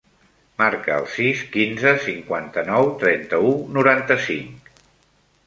Marca el sis, quinze, cinquanta-nou, trenta-u, noranta-cinc.